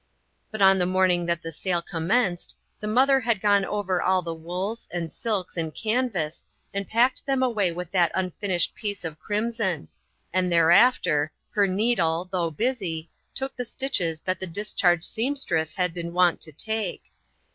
But on the morning that the sale com menced, the mother had gone over all the wools, and silks, and canvas, and packed them away with that unfinished piece of crimson; and thereafter, her needle, though busy, took the stitches that the discharged seamstress had been wont to take.